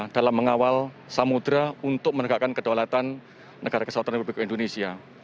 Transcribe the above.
dalam mengawal samudera untuk menegakkan kedaulatan negara keseluruhan indonesia